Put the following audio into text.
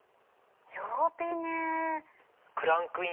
曜日ね。